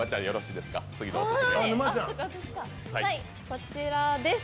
こちらです。